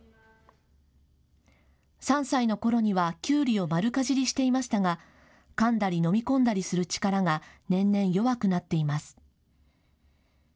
３歳のころには、きゅうりを丸かじりしていましたがかんだり飲み込んだりする力が年々、弱くなっています。